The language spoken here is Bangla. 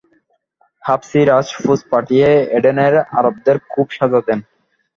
হাবসি-রাজ ফৌজ পাঠিয়ে এডেনের আরবদের খুব সাজা দেন।